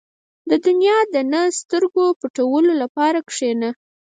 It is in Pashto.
• د دنیا نه د سترګو پټولو لپاره کښېنه.